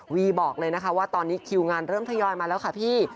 วีบอกเลยนะคะว่าตอนนี้คิวงานเริ่มทยอยมาแล้วค่ะพี่